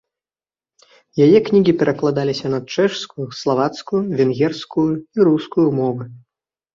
Яе кнігі перакладаліся на чэшскую, славацкую, венгерскую і рускую мовы.